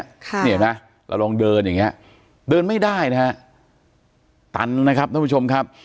ค่ะนี่เห็นไหมเราลองเดินอย่างเงี้ยเดินไม่ได้นะฮะตันนะครับท่านผู้ชมครับ